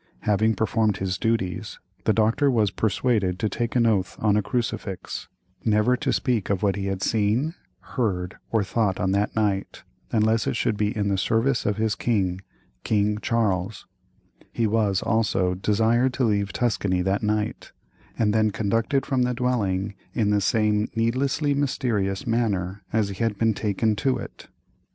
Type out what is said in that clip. Having performed his duties, the doctor was persuaded to take an oath on a crucifix, "never to speak of what he had seen, heard, or thought on that night, unless it should be in the service of his king King Charles;" he was, also, desired to leave Tuscany that night, and then conducted from the dwelling in the same needlessly mysterious manner as he had been taken to it.